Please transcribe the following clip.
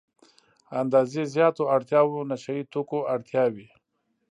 اندازې زياتو اړتیاوو نشه يي توکو اړتیا وي.